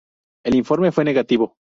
El informe fue negativo.